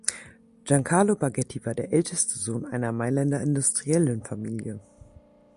Giancarlo Baghetti war der älteste Sohn einer Mailänder Industriellenfamilie.